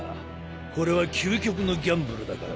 これは究極のギャンブルだからな。